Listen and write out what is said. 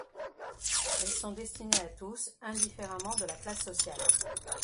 Elles sont destinées à tous indifféremment de la classe sociale.